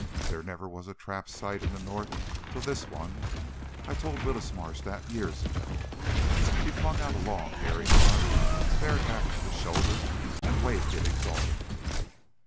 There never was a trap site in the North till this one; I told Willis Marsh that years ago." He flung out a long, hairy arm, bared half to the shoulder, and waved it exultantly.